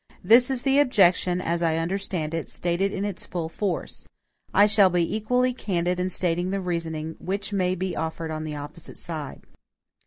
This is the objection, as I understand it, stated in its full force. I shall be equally candid in stating the reasoning which may be offered on the opposite side.